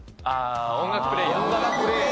音楽プレーヤー。